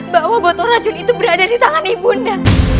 bahwa botol racun itu berada di tangan ibu nda